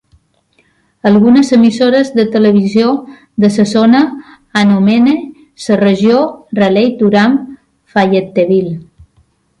Algunes emissores de televisió de la zona anomene la regió Raleigh-Durham-Fayetteville.